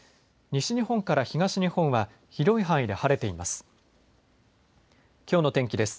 西日本から東日本は広い範囲で晴れています。